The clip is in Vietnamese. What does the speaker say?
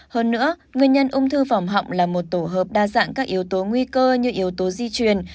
hơn nữa nguyên nhân ung thư vòng họng là một tổ hợp đa dạng các yếu tố nguy cơ như yếu tố di truyền